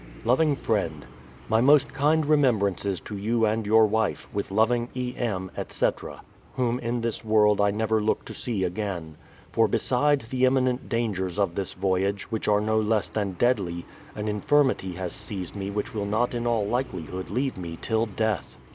Loving Friend, My most kind remembrances to j^ou and your wife, with loving E. M., etc., whom in this world I never look to see again. For beside the im.minent dangers of this voyage, which are no less than deadly, an infirmity has seized me which will not in all likeli hood leave me till death.